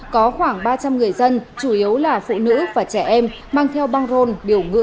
có khoảng ba trăm linh người dân chủ yếu là phụ nữ và trẻ em mang theo băng rôn biểu ngữ